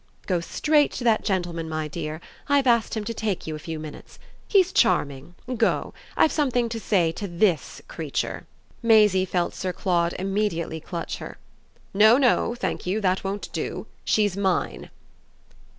"Go straight to that gentleman, my dear; I've asked him to take you a few minutes. He's charming go. I've something to say to THIS creature." Maisie felt Sir Claude immediately clutch her. "No, no thank you: that won't do. She's mine."